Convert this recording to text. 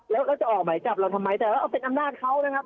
แล้วเราจะออกหมายจับเราทำไมแต่ว่าเอาเป็นอำนาจเขานะครับ